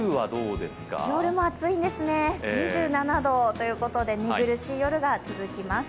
夜も暑いんですね、２７度ということで寝苦しい夜が続きます。